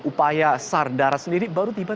upaya sardara sendiri baru tiba